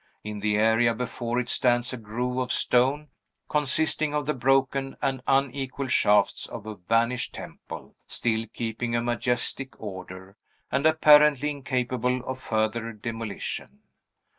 In the area before it stands a grove of stone, consisting of the broken and unequal shafts of a vanished temple, still keeping a majestic order, and apparently incapable of further demolition.